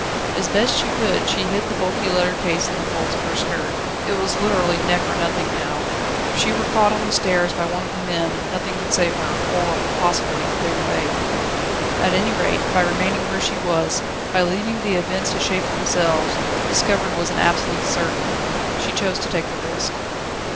As best she could, she hid the bulky leather case in the folds of her skirt. It was literally neck or nothing now. If she were caught on the stairs by one of the men nothing could save her or possibly Déroulède. At any rate, by remaining where she was, by leaving the events to shape themselves, discovery was absolutely certain. She chose to take the risk.